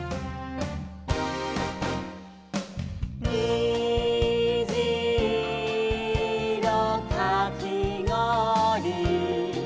「にじいろかきごおり」